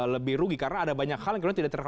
lebih rugi karena ada banyak hal yang